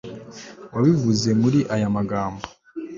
wabivuze muri aya magambo